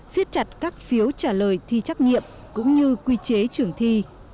xiết chặt các phiếu trả lời thi trắc nghiệm cũng như quy chế trường thi